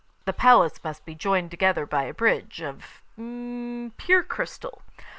The palace must be joined together by a bridge of pure crystal.